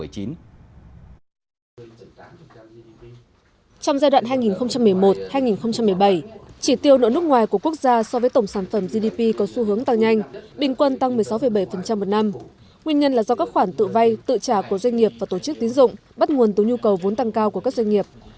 trong giai đoạn hai nghìn một mươi một hai nghìn một mươi bảy chỉ tiêu nợ nước ngoài của quốc gia so với tổng sản phẩm gdp có xu hướng tăng nhanh bình quân tăng một mươi sáu bảy một năm nguyên nhân là do các khoản tự vay tự trả của doanh nghiệp và tổ chức tín dụng bắt nguồn từ nhu cầu vốn tăng cao của các doanh nghiệp